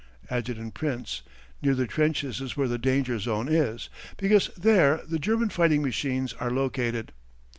Adjt. Prince: Near the trenches is where the danger zone is, because there the German fighting machines are located.